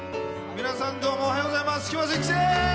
皆さん、どうもおはようございます。